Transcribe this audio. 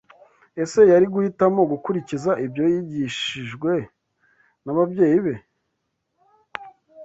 Ese yari guhitamo gukurikiza ibyo yigishijwe n’ababyeyi be